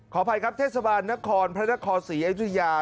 ขออภัยครับเทศบาลนครพระนครศรีอยุธยา